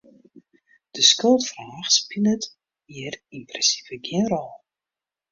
De skuldfraach spilet hjir yn prinsipe gjin rol.